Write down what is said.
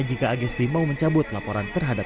jika agesti mau mencabut laporan terhadap